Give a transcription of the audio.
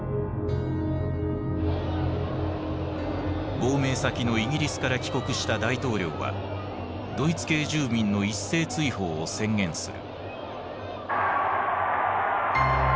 亡命先のイギリスから帰国した大統領はドイツ系住民の一斉追放を宣言する。